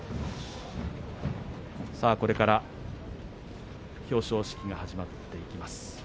これから表彰式が始まります。